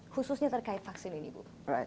khususnya terkait vaksin ini bu